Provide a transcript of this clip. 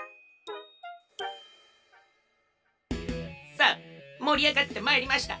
さあもりあがってまいりました